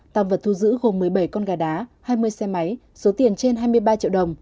tăng vật thu giữ gồm một mươi bảy con gà đá hai mươi xe máy số tiền trên hai mươi ba triệu đồng